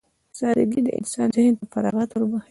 سادهګي د انسان ذهن ته فراغت وربښي.